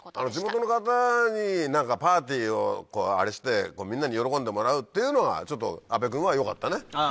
地元の方に何かパーティーをあれしてみんなに喜んでもらうっていうのはちょっと阿部君はよかったね。